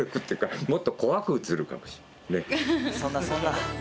そんなそんな。